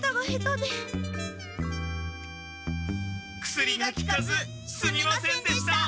薬がきかずすみませんでした！